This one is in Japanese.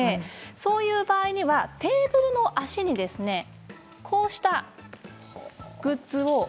そういう場合にはテーブルの脚にこうしたグッズを。